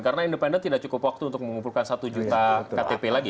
karena independen tidak cukup waktu untuk mengumpulkan satu juta ktp lagi